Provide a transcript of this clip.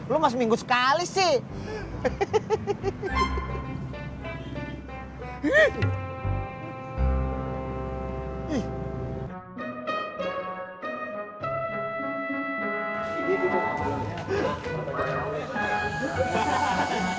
lo mas minggu sekali sih